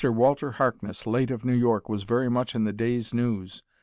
Walter Harkness, late of New York, was very much in the day's news.